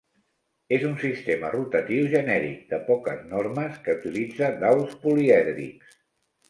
És un sistema rotatiu genèric de poques normes que utilitza daus polièdrics.